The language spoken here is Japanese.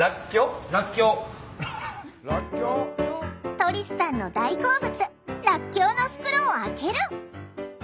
トリスさんの大好物らっきょうの袋を開ける！